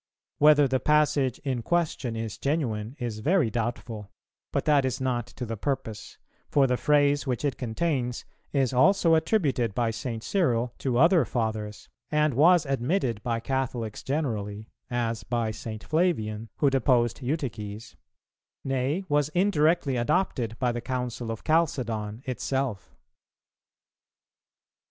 [301:1] Whether the passage in question is genuine is very doubtful, but that is not to the purpose; for the phrase which it contains is also attributed by St. Cyril to other Fathers, and was admitted by Catholics generally, as by St. Flavian, who deposed Eutyches, nay was indirectly adopted by the Council of Chalcedon itself.